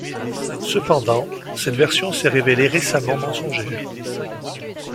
Cependant, cette version s'est révélée récemment mensongère.